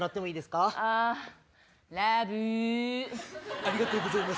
ありがとうございます。